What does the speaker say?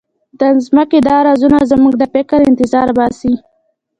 د ځمکې دا رازونه زموږ د فکر انتظار باسي.